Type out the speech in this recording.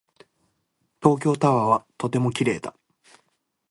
東京タワーはとても綺麗だ。